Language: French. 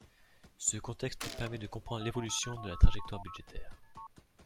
Ce contexte permet de comprendre l’évolution de la trajectoire budgétaire.